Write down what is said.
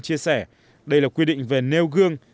chia sẻ đây là quy định về nêu gương